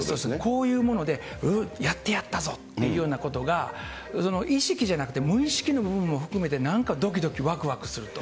こういうもので、やってやったぞっていうようなことが、意識じゃなくて、無意識の部分も含めてなんかどきどきわくわくすると。